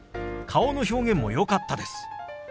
顔の表現もよかったです。